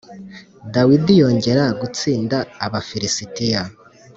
Dawidi yongera gutsinda Abafilisitiya